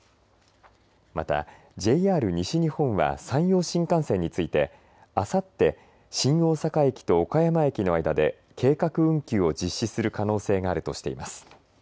またＪＲ西日本は山陽新幹線についてあさって新大阪駅と岡山駅の間で計画運休を実施する可能性があるとしています。